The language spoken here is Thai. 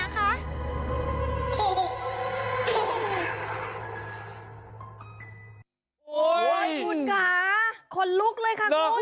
ทุกคนคลุกเลยค่ะ